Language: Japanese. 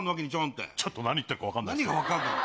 ちょっと何言ってるか分かん何が分かんないんだよ。